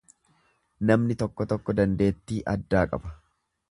Namni tokko tokko dandeettii addaa qaba.